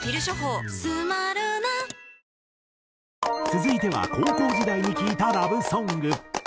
続いては高校時代に聴いたラブソング。